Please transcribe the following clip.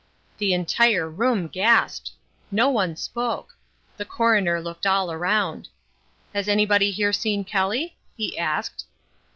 The entire room gasped. No one spoke. The coroner looked all around. "Has anybody here seen Kelly?" he asked.